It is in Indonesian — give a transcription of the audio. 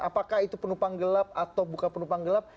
apakah itu penumpang gelap atau bukan penumpang gelap